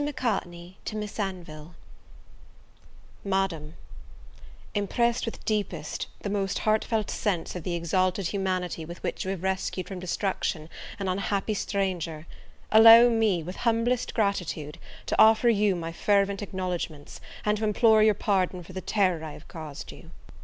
Macartney to Miss Anville. Madam, IMPRESSED with deepest, the most heartfelt sense of the exalted humanity with which you have rescued from destruction an unhappy stranger, allow me, with humblest gratitude, to offer you my fervent acknowledgments, and to implore your pardon for the terror I have caused you.